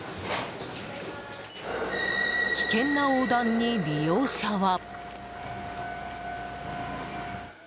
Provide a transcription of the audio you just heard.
危険な横断に利用者は。